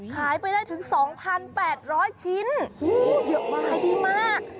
ขายไปได้ถึง๒๘๐๐ชิ้นเยอะมากขายดีมาก